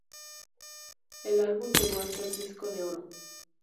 El álbum llegó a ser disco de oro.